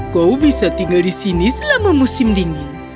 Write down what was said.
kau bisa tinggal di sini selama musim dingin